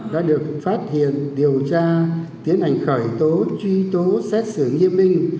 đã được phát hiện điều tra tiến hành khởi tố truy tố xét xử nghiêm minh